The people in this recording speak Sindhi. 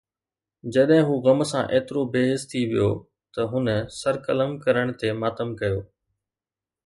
جڏهن هو غم سان ايترو بي حس ٿي ويو ته هن سر قلم ڪرڻ تي ماتم ڪيو